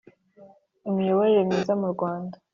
imiyoborere myiza mu Rwanda